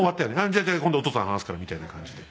じゃあ今度お父さん話すから」みたいな感じで。